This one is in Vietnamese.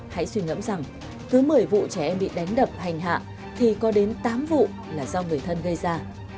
hãy suy ngẫm rằng cứ một mươi vụ trẻ em bị đánh đập hành hạ thì có đến tám vụ là do người thân gây ra